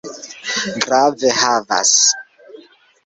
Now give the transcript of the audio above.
Grave havas.